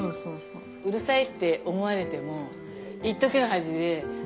うるさいって思われてもいっときの恥でその時に。